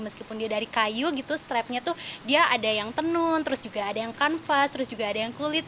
meskipun dia dari kayu gitu strapnya tuh dia ada yang tenun terus juga ada yang kanvas terus juga ada yang kulit